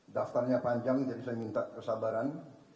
daftarnya panjang jadi saya minta kesabaran